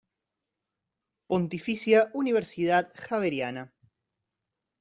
Pontificia Universidad Javeriana.